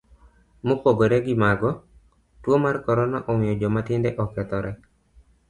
Mopogore gimago, tuo mar korona omiyo joma tindo okethore.